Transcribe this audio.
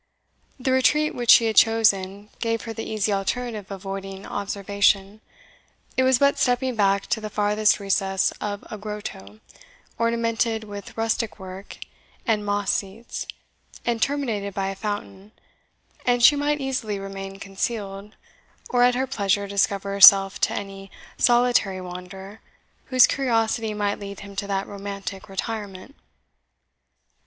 The retreat which she had chosen gave her the easy alternative of avoiding observation. It was but stepping back to the farthest recess of a grotto, ornamented with rustic work and moss seats, and terminated by a fountain, and she might easily remain concealed, or at her pleasure discover herself to any solitary wanderer whose curiosity might lead him to that romantic retirement.